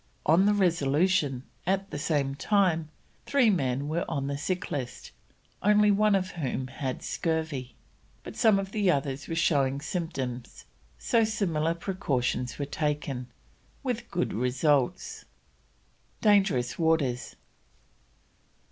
On the Resolution, at the same time, three men were on the sick list, only one of whom had scurvy, but some of the others were showing symptoms, so similar precautions were taken, with good results. DANGEROUS WATERS.